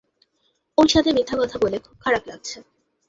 ওর সাথে মিথ্যা কথা বলে খুব খারাপ লাগছে।